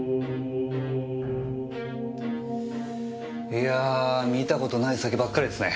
いや見た事ない酒ばっかりですね。